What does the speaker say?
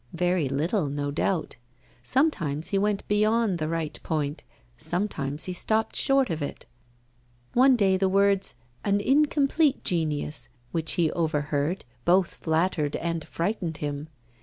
Very little, no doubt. Sometimes he went beyond the right point, sometimes he stopped short of it. One day the words, 'an incomplete genius,' which he overheard, both flattered and frightened him.